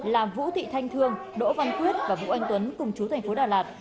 là vũ thị thanh thương đỗ văn quyết và vũ anh tuấn cùng chú tp đà lạt